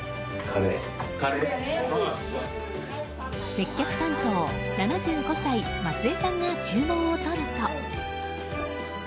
接客担当、７５歳松江さんが注文をとると。